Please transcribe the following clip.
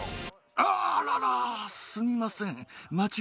あーらら、すみません。